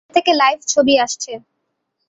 Thailand থেকে live ছবি আসছে।